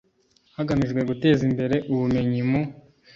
hagamijwe guteza imbere ubumenyi mu